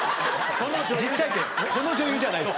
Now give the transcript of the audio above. その女優じゃないです。